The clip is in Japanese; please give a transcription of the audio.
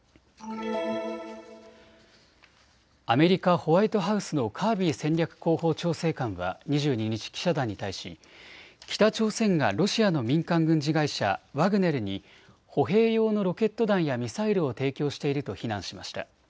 アメリカ・ホワイトハウスのカービー戦略広報調整官は２２日、記者団に対し北朝鮮がロシアの民間軍事会社、ワグネルに歩兵用のロケット弾やミサイルを提供していると非難しました。